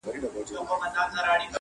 • انسان وجدان سره مخ دی تل,